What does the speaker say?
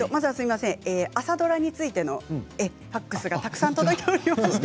朝ドラについてのファックスがたくさん届いておりまして。